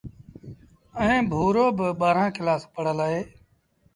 ائيٚݩ ڀورو با ٻآهرآݩ ڪلآس پڙهل اهي۔